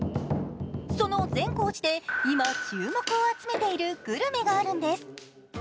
その善光寺で今、注目を集めているグルメがあるんです。